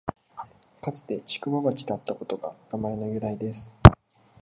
かつて宿場町だったことが名前の由来です